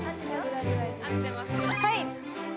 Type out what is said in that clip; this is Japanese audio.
はい！